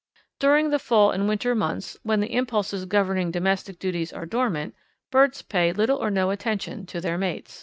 During the fall and winter months, when the impulses governing domestic duties are dormant, birds pay little or no attention to their mates.